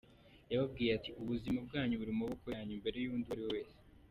Yababwiye ati :"Ubuzima bwanyu buri mu maboko yanyu mbere y’undi uwo ariwe wese.